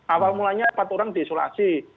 awal mulanya empat orang diisolasi